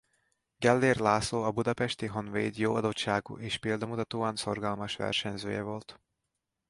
Gellér László a Budapesti Honvéd jó adottságú és példamutatóan szorgalmas versenyzője volt.